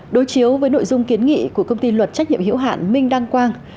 đối chiếu với nội dung kiến nghị của công ty luật trách nhiệm hiệu hạn minh đăng quang